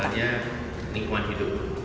misalnya lingkungan hidup